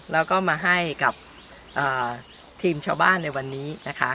แล้วก็มาให้กับทีมชาวบ้านในวันนี้นะคะ